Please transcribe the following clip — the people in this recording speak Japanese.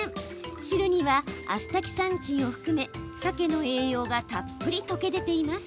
汁には、アスタキサンチンを含めサケの栄養がたっぷり溶け出ています。